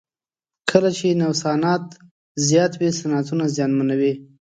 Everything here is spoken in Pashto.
کله چې نوسانات زیات وي صنعتونه زیانمنوي.